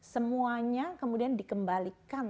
semuanya kemudian dikembalikan